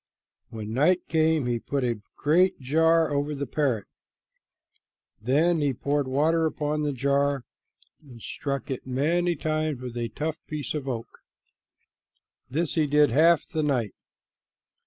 When night came he put a great jar over the parrot. Then he poured water upon the jar and struck it many times with a tough piece of oak. This he did half the night.